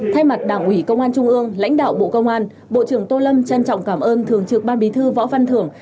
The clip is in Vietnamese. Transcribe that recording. thay mặt đảng ủy công an trung ương lãnh đạo bộ công an bộ trưởng tô lâm trân trọng cảm ơn thường trực ban bí thư võ văn thưởng